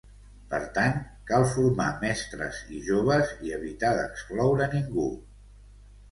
Per tant, cal formar mestres i joves i evitar d’excloure ningú.